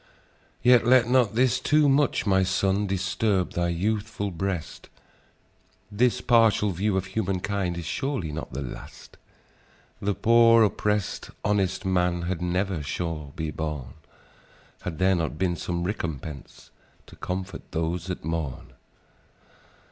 "Yet, let not this too much, my son, Disturb thy youthful breast: This partial view of human kind Is surely not the last! The poor, oppressed, honest man Had never, sure, been born, Had there not been some recompense To comfort those that mourn!